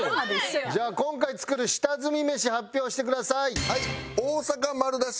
じゃあ今回作る下積みメシ発表してください。